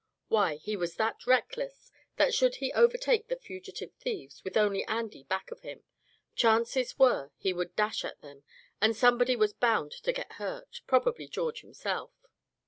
Why, he was that reckless, that, should he overtake the fugitive thieves, with only Andy back of him, chances were he would dash at them, and somebody was bound to get hurt, probably George himself.